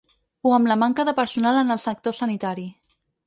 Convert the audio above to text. O amb la manca de personal en el sector sanitari.